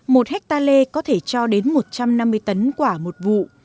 một hectare lê có thể cho đến một trăm năm mươi tấn quả một vụ